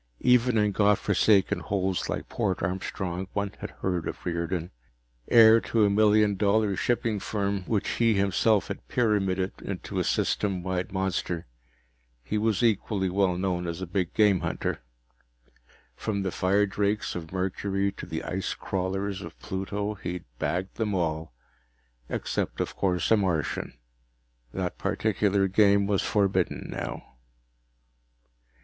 Even in God forsaken holes like Port Armstrong one had heard of Riordan. Heir to a million dollar shipping firm which he himself had pyramided into a System wide monster, he was equally well known as a big game hunter. From the firedrakes of Mercury to the ice crawlers of Pluto, he'd bagged them all. Except, of course, a Martian. That particular game was forbidden now.